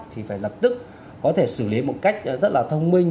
thì phải lập tức có thể xử lý một cách rất là thông minh